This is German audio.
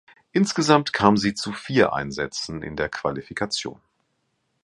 Insgesamt kam sie zu vier Einsätzen in der Qualifikation.